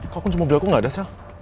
kok kan semua mobil aku nggak ada sel